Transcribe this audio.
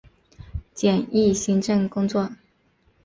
简易行政工作